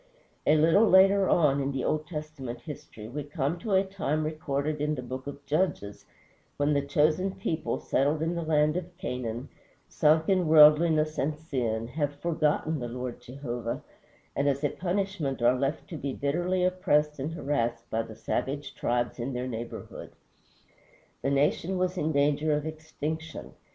A little later on, in the Old Testament history, we come to a time recorded in the Book of Judges when the chosen people, settled in the land of Canaan, sunk in worldliness and sin, have forgotten the Lord Jehovah, and as a punishment are left to be bitterly oppressed and harassed by the savage tribes in their neighborhood. The nation was in danger of extinction.